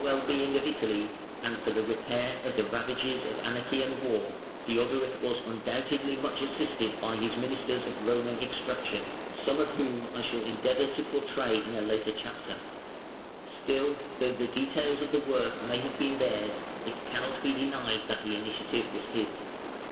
] In all these counsels for the material well being of Italy, and for the repair of the ravages of anarchy and war, Theodoric was undoubtedly much assisted by his ministers of Roman extraction, some of whom I shall endeavour to portray in a later chapter. Still, though the details of the work may have been theirs, it cannot be denied that the initiative was his.